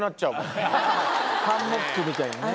ハンモックみたいにね。